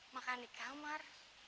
makan di kamar